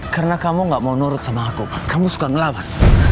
karena kamu gak mau nurut sama aku kamu suka ngelawan